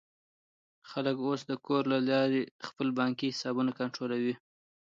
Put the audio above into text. خلک اوس د کور له لارې خپل بانکي حسابونه کنټرولوي.